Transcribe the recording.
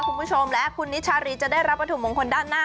คุณผู้ชมและคุณนิชารีจะได้รับวัตถุมงคลด้านหน้า